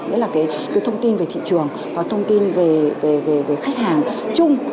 nghĩa là cái thông tin về thị trường thông tin về khách hàng chung